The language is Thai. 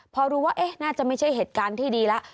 พอรู้ว่าน่าจะไม่ใช่เหตุการณ์ที่ดีแล้ว